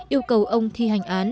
yêu cầu ông thi hành án